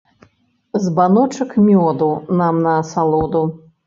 Збаночак мёду нам на асалоду.